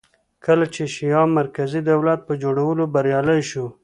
کله چې شیام مرکزي دولت په جوړولو بریالی شو